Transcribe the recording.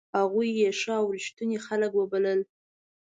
هغوی یې ښه او ریښتوني خلک وبلل.